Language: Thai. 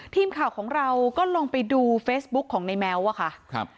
ทีมข่าวของเราก็ลองไปดูเฟซบุ๊กของในแม้วอะค่ะครับ